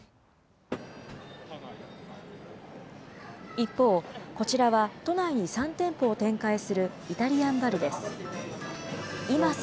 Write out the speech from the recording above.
一方、こちらは都内に３店舗を展開するイタリアンバルです。